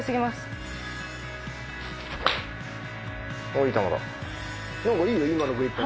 あいい球だ。